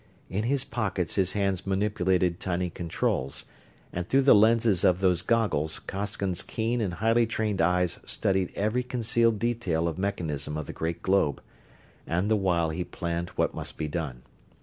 In his pockets his hands manipulated tiny controls, and through the lenses of those goggles Costigan's keen and highly trained eyes studied every concealed detail of mechanism of the great globe, the while he planned what must be done.